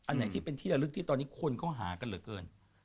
ไหนที่เป็นที่ระลึกที่ตอนนี้คนเขาหากันเหลือเกิน